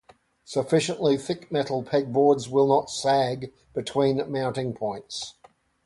Sufficiently thick metal pegboards will not sag between mounting points.